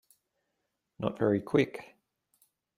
Not very Quick.